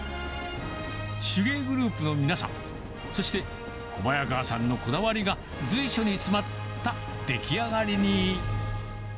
手芸グループの皆さん、そして、小早川さんのこだわりが随所に詰まった出来上がりに。